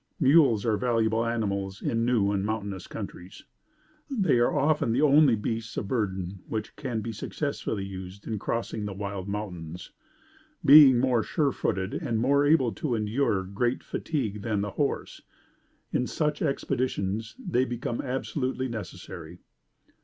Mules are valuable animals in new and mountainous countries. They are often the only beasts of burden which can be successfully used in crossing the wild mountains. Being more sure footed and more able to endure great fatigue than the horse, in such expeditions, they become absolutely necessary.